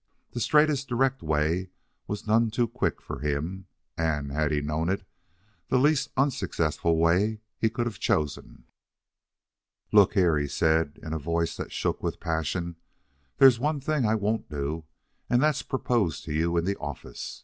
The straightest, direct way was none too quick for him and, had he known it, the least unsuccessful way he could have chosen. "Look here," he said, in a voice that shook with passion, "there's one thing I won't do, and that's propose to you in the office.